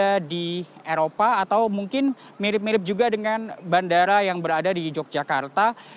ada di eropa atau mungkin mirip mirip juga dengan bandara yang berada di yogyakarta